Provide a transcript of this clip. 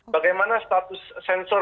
bagaimana status sensor